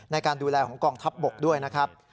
ในการดูแลของกองทัพบกด้วยนะครับ